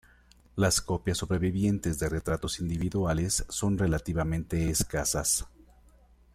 Las copias sobrevivientes de retratos individuales son relativamente escasas.